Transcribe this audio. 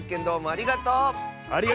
ありがとう！